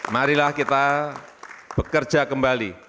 marilah kita bekerja kembali